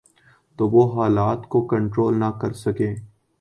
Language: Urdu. تو وہ حالات کو کنٹرول نہ کر سکیں۔